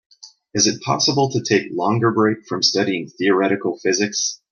Is it possible to take longer break from studying theoretical physics?